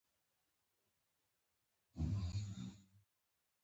پر هر مسلمان د علم کول فرض دي.